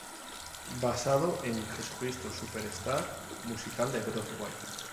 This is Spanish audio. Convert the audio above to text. Basado en Jesucristo Superstar musical de Broadway.